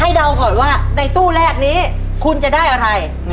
เดาก่อนว่าในตู้แรกนี้คุณจะได้อะไร